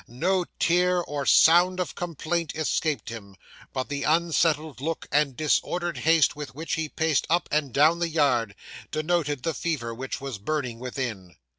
No tear, or sound of complaint escaped him; but the unsettled look, and disordered haste with which he paced up and down the yard, denoted the fever which was burning within.